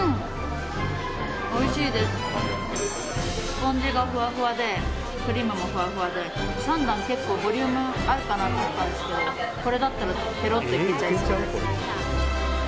スポンジがふわふわでクリームもふわふわで３段、結構ボリュームあるかなと思ったんですけどこれだったらペロッといけちゃいます。